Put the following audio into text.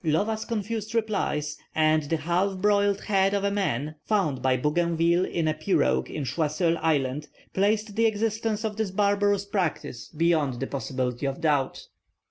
Lova's confused replies, and the half broiled head of a man, found by Bougainville in a pirogue in Choiseul Island, placed the existence of this barbarous practice beyond the possibility of doubt.